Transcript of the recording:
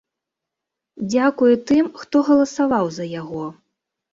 Дзякуе тым, хто галасаваў за яго.